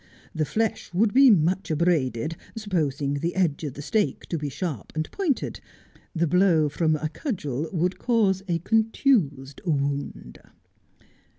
The flesh would be much abraded, supposing the edge of the stake to be sharp and pointed. The blow from a cudgel would cause a contused wound.